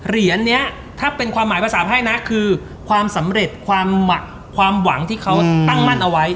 เหรียญนี้ถ้าเป็นความหมายภาษาไพ่นะคือความสำเร็จความหวังที่เขาตั้งมั่นเอาไว้